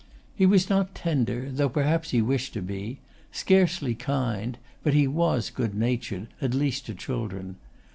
He was not tender, though perhaps he wished to be; scarcely kind: but he was good natured, at least to children.